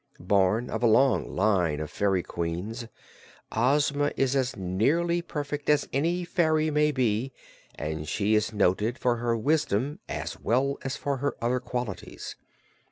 Born of a long line of Fairy Queens, Ozma is as nearly perfect as any fairy may be, and she is noted for her wisdom as well as for her other qualities.